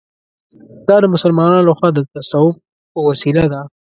دا د مسلمانانو له خوا د تصوف په وسیله ده.